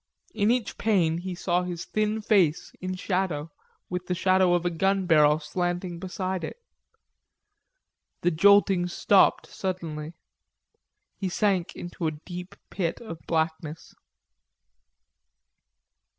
In each pane he saw his thin face, in shadow, with the shadow of a gun barrel slanting beside it. The jolting stopped suddenly. He sank into a deep pit of blackness.